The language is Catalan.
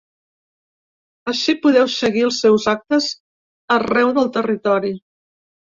Ací podeu seguir els seus actes arreu del territori.